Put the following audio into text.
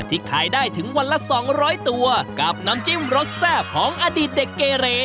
ขายได้ถึงวันละ๒๐๐ตัวกับน้ำจิ้มรสแซ่บของอดีตเด็กเกเร